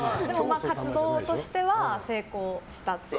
活動としては成功したっていう。